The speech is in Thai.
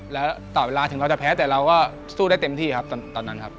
แล้วต่อเวลาถึงเราจะแพ้แต่เราก็สู้ได้เต็มที่ครับตอนนั้นครับ